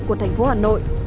một thành phố hà nội